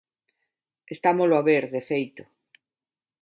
Estámolo a ver, de feito.